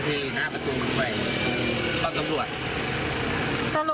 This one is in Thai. ถ้าพระหายก็เลยไม่ได้ถวายใคร